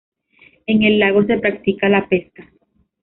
En el lago se practica la pesca.